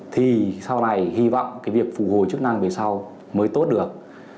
thì sau này hy vọng việc phụ hồi chức năng về sau mới tốt được